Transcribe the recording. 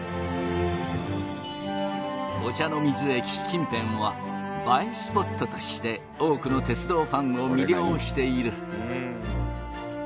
御茶ノ水駅近辺は映えスポットとして多くの鉄道ファンを魅了している。